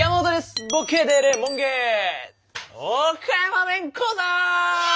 岡山弁講座！